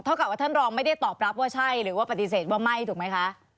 กับว่าท่านรองไม่ได้ตอบรับว่าใช่หรือว่าปฏิเสธว่าไม่ถูกไหมคะ